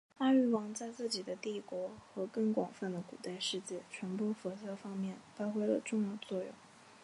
阿育王在自己的帝国和更广泛的古代世界传播佛教方面发挥了重要作用。